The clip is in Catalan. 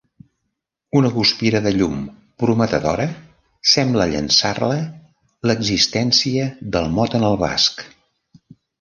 Una guspira de llum prometedora sembla llançar-la l'existència del mot en el basc.